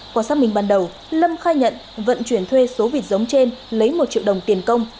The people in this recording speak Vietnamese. quả xác minh ban đầu lâm khai nhận vận chuyển thuê số vịt giống trên lấy một triệu đồng tiền công